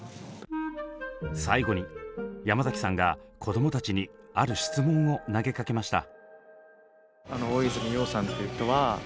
最後に山崎さんがこどもたちにある質問を投げかけました。